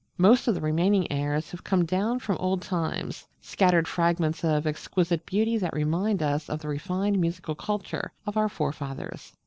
Most of the remaining airs have come down from old times, scattered fragments of exquisite beauty that remind us of the refined musical culture of our forefathers.